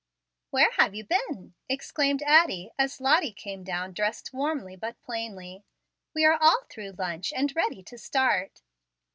"Where have you been?" exclaimed Addie, as Lottie came down dressed warmly, but plainly. "We are all through lunch, and ready to start."